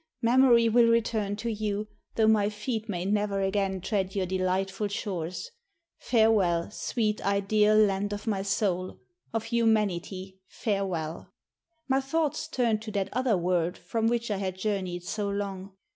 Memory will return to you though my feet may never again tread your delightful shores. Farewell, sweet ideal land of my Soul, of Humanity, farewell!" My thoughts turned to that other world from which I had journeyed so long.